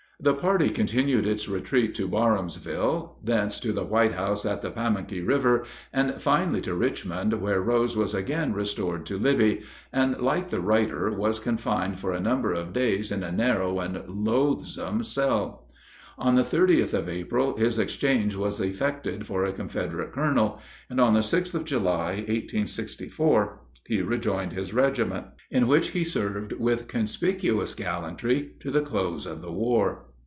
The party continued its retreat to Barhamsville, thence to the White House on the Pamunkey River, and finally to Richmond, where Rose was again restored to Libby, and, like the writer, was confined for a number of days in a narrow and loathsome cell. On the 30th of April his exchange was effected for a Confederate colonel, and on the 6th of July, 1864, he rejoined his regiment, in which he served with conspicuous gallantry to the close of the war.